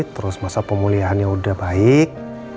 terus masa pemulihannya udah baik